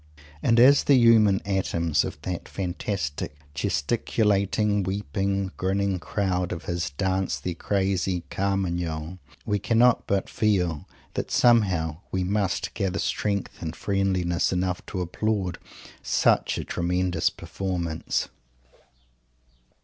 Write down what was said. And as the human atoms of that fantastic, gesticulating, weeping, grinning crowd of his dance their crazy "Carmagnole," we cannot but feel that somehow we must gather strength and friendliness enough to applaud such a tremendous Performance.